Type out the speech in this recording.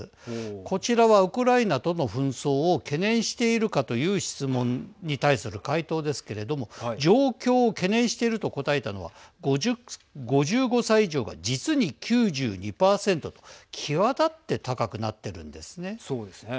こちらは、ウクライナとの紛争を懸念しているかという質問に対する回答ですけれども状況を懸念していると答えたのは５５歳以上が実に９２％と際立って高くなっているんですね。